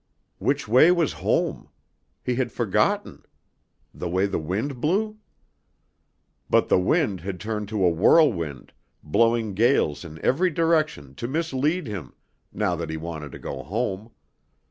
Which way was home? He had forgotten. The way the wind blew? But the wind had turned to a whirlwind, blowing gales in every direction to mislead him, now that he wanted to go home.